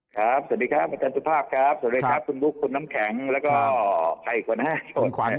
ครับสวัสดีครับ๒๒๕ปฏิบัติภาพครับ